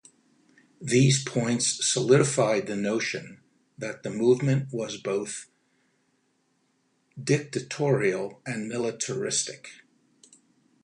These points solidified the notion that the movement was both dictatorial and militaristic.